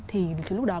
thì từ lúc đó